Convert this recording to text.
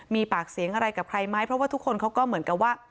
มีปากเสียงอะไรกับใครไหมเพราะว่าทุกคนเขาก็เหมือนกับว่า